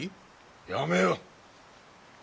やめよ。